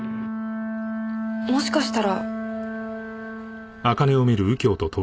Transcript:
もしかしたら！